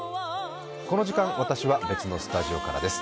この時間、私は別のスタジオからです。